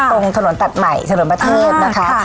ตรงถนนตัดใหม่เฉลิมประเทศนะคะ